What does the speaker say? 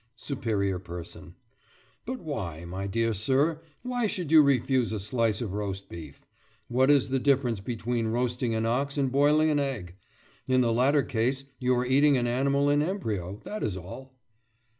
SUPERIOR PERSON: But why, my dear sir—why should you refuse a slice of roast beef? What is the difference between roasting an ox and boiling an egg? In the latter case you are eating an animal in embryo—that is all.